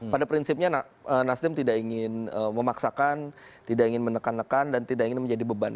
pada prinsipnya nasdem tidak ingin memaksakan tidak ingin menekan nekan dan tidak ingin menjadi beban